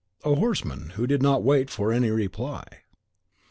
"A horseman, who did not wait for any reply."